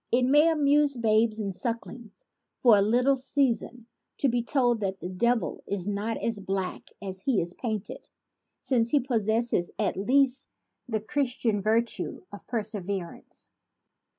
It may amuse babes and sucklings for a little season to be told that the devil is not as black as he is painted, since he possesses at least the Christian virtue of per severance.